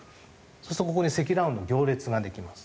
そうするとここで積乱雲の行列ができます。